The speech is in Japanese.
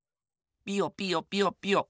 ピヨピヨピヨピヨ。